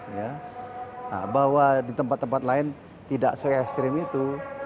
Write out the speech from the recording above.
nah bahwa di tempat tempat lain tidak se ekstrim itu